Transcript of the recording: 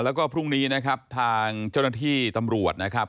แล้วก็พรุ่งนี้นะครับทางเจ้าหน้าที่ตำรวจนะครับ